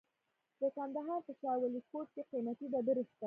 د کندهار په شاه ولیکوټ کې قیمتي ډبرې شته.